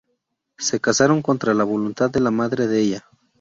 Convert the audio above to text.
Se casaron contra la voluntad de la madre de ella.